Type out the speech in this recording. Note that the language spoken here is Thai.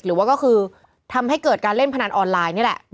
หรือว่าก็คือทำให้เกิดการเล่นพนันออนไลน์นี่แหละ